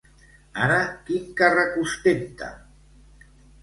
Ara quin càrrec ostenta?